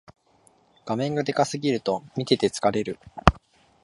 画面がでかすぎると見てて疲れる